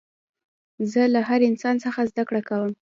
زه له هر انسان څخه زدکړه کوم.